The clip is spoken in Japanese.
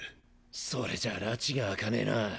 それじゃらちがあかねぇな。